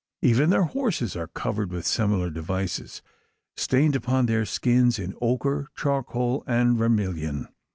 Even their horses are covered with similar devices stained upon their skins in ochre, charcoal, and vermilion!